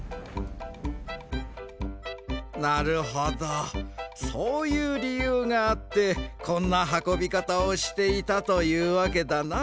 なるほどそういうりゆうがあってこんなはこびかたをしていたというわけだな。